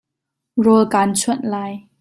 Rawl ka'an chuanh lai.